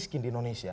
miskin di indonesia